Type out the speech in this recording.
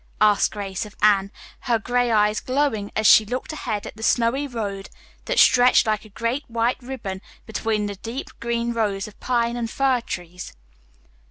asked Grace of Anne, her gray eyes glowing as she looked ahead at the snowy road that stretched like a great white ribbon between the deep green rows of pine and fir trees.